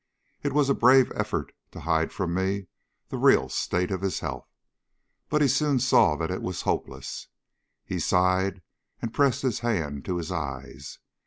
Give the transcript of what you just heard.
It was a brave effort to hide from me the real state of his health, but he soon saw that it was hopeless. He sighed and pressed his hand to his eyes.